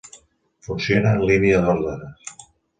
Funciona en línia d'ordres.